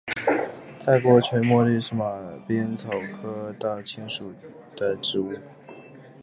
泰国垂茉莉是马鞭草科大青属的植物。